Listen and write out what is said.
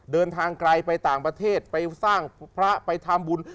เดินทางไกลไปต่างประเทศไปสร้างพระไปทำบุญ